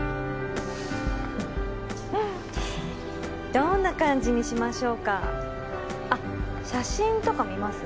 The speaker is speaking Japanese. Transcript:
どんな感じにしましょうかあっ写真とか見ます？